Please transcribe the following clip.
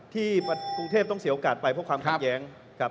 ที่กรุงเทพต้องเสียโอกาสไปผ่าความคลักแย้ง